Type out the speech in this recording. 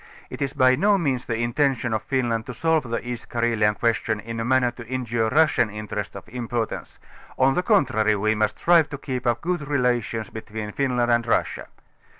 It is by no means the intention of Finland to solve the East Carelian question in a manner to injure Russian interests of importance, on the contrary, we must strive to keep up good relations between Finland and Russia.